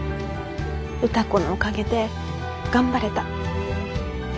歌子のおかげで頑張れた。